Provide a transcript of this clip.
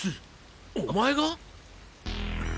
お前が！？